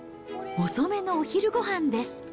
遅めのお昼ごはんです。